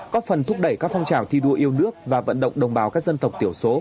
có phần thúc đẩy các phong trào thi đua yêu nước và vận động đồng bào các dân tộc tiểu số